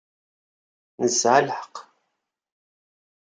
Nesɛa lḥeqq.